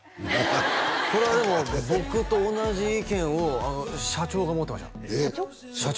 それはでも僕と同じ意見を社長が持ってました社長？